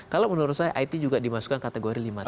kalau menurut saya it juga dimasukkan kategori lima ratus